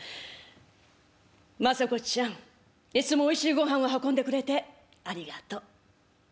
「政子ちゃんいつもおいしいごはんを運んでくれてありがと」。